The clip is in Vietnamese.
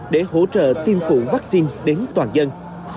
để hỗ trợ tiêm phụ vắc xin đến toàn dân